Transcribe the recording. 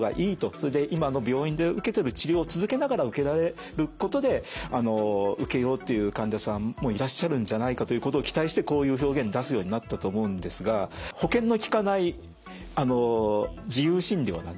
それで今の病院で受けてる治療を続けながら受けられることで受けようっていう患者さんもいらっしゃるんじゃないかということを期待してこういう表現出すようになったと思うんですが保険のきかない自由診療なんですね。